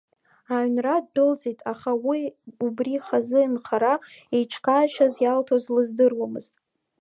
Аҩнра ддәылҵит, аха убри, хазы нхара, еиҿкаашьас иалҭоз лыздыруамызт.